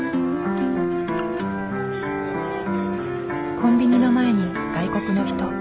コンビニの前に外国の人。